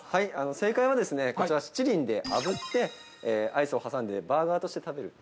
正解はこちら、七輪であぶって、アイスを挟んでバーガーとして食べる。